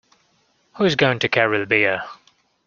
Who is going to carry the beer?